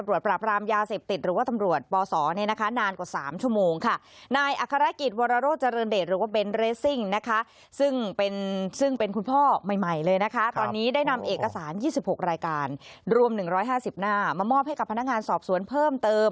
รวม๑๕๐หน้ามามอบให้กับพนักงานสอบสวนเพิ่มเติม